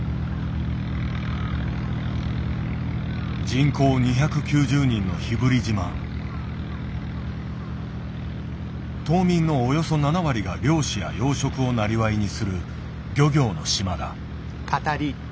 人口２９０人の島民のおよそ７割が漁師や養殖をなりわいにする漁業の島だ。